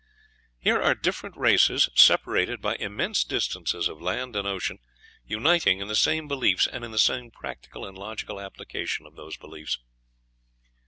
Here are different races, separated by immense distances of land and ocean, uniting in the same beliefs, and in the same practical and logical application of those beliefs.